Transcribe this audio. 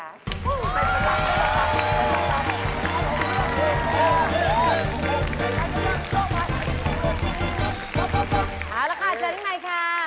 เอาล่ะค่ะเจอกันใหม่ค่ะ